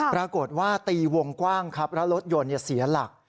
ปรากฏว่าตีวงกว้างครับแล้วรถยนต์เสียหลัก